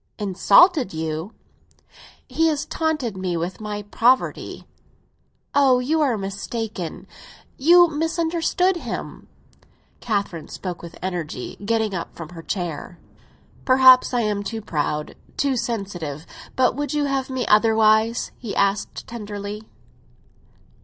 "Insulted you!" "He has taunted me with my poverty." "Oh, you are mistaken—you misunderstood him!" Catherine spoke with energy, getting up from her chair. "Perhaps I am too proud—too sensitive. But would you have me otherwise?" he asked tenderly.